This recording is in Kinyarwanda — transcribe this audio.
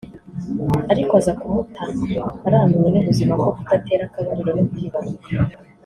ariko aza kumuta arambiwe n’ubuzima bwo kudatera akabariro no kwibaruka